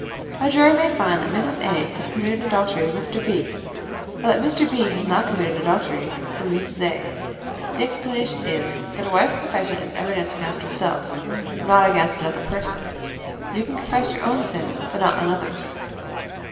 The jury may find that Mrs. A. has committed adultery with Mr. B., but that Mr. B. has not committed adultery with Mrs. A. The explanation is, that a wife's confession is evidence against herself, but not against another person. You can confess your own sins, but not another's.